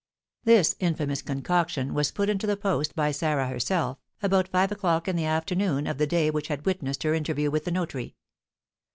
This infamous concoction was put into the post by Sarah herself, about five o'clock in the afternoon of the day which had witnessed her interview with the notary.